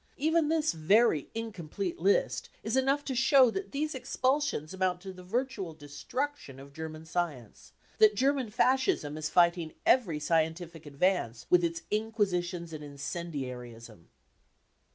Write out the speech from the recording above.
Even this very incomplete list is enough to show that these expulsions amount to the virtual destruction of German science, that German Fascism isrfighting every scientific advance with its inquisitions and incendiarism.